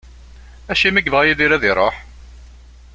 Acimi i yebɣa Yidir ad iruḥ?